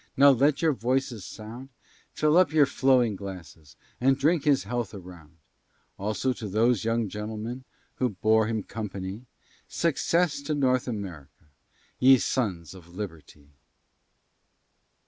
Now let your voices sound, Fill up your flowing glasses, And drink his health around; Also to those young gentlemen Who bore him company; Success to North America, Ye sons of liberty!